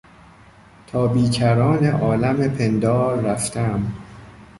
... تا بیکران عالم پندار رفتهام.